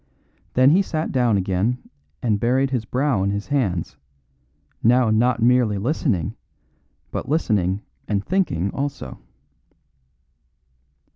Then he sat down again and buried his brow in his hands, now not merely listening, but listening and thinking also.